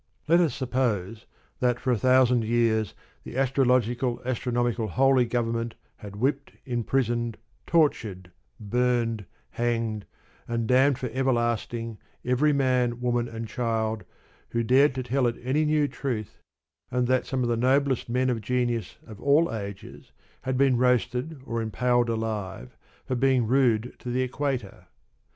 Let us suppose that for a thousand years the astrological astronomical holy government had whipped, imprisoned, tortured, burnt, hanged, and damned for everlasting every man, woman, or child who dared to tell it any new truth, and that some of the noblest men of genius of all ages had been roasted or impaled alive for being rude to the equator.